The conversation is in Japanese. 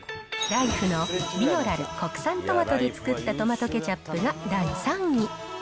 ライフのビオラル国産トマトで作ったトマトケチャップが第３位。